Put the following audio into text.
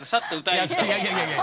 いやいやいやいや！